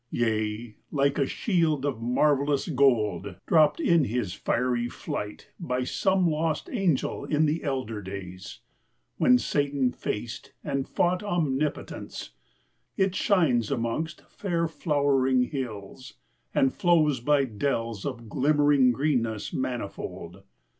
Yea, like a shield Of marvellous gold dropped in his fiery flight By some lost angel in the elder days, When Satan faced and fought Omnipotence, It shines amongst fair, flowering hills, and flows By dells of glimmering greenness manifold.